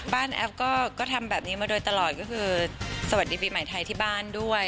แอฟก็ทำแบบนี้มาโดยตลอดก็คือสวัสดีปีใหม่ไทยที่บ้านด้วย